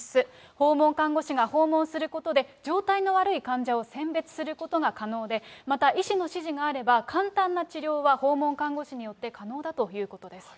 訪問看護師が訪問することで、状態の悪い患者を選別することが可能で、また医師の指示があれば、簡単な治療は訪問看護師によって可能だということです。